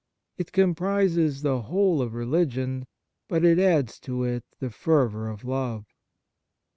It comprises the whole of religion, but it adds to it the fervour of love.